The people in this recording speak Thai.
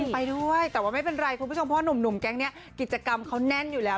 ไปด้วยแต่ว่าไม่เป็นไรคุณผู้ชมเพราะหนุ่มแก๊งนี้กิจกรรมเขาแน่นอยู่แล้ว